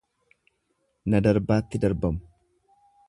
Naa darbaatti darbamu.